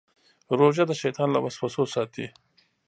روژه د شیطان له وسوسو ساتي.